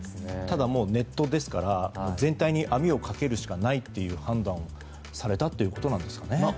ただ、ネットですから全体に網をかけるしかないという判断をされたということなんですかね。